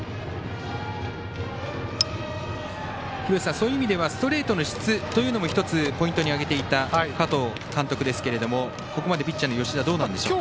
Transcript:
そういう意味ではストレートの質というのも１つポイントに挙げていた加藤監督ですがここまでピッチャーの吉田どうなんでしょうか。